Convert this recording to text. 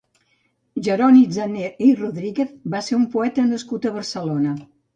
Jeroni Zanné i Rodríguez va ser un poeta nascut a Barcelona.